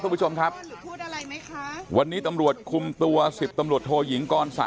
ทุกผู้ชมครับวันนี้ตำรวจคุมตัวสิทธิ์ตำรวจโทหหญิงกรสะ